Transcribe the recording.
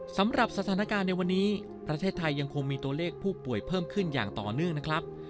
สำหรับสถานการณ์ในวันนี้ประเทศไทยยังคงมีตัวเลขผู้ป่วยเพิ่มขึ้นอย่างต่อเนื่องนะครับ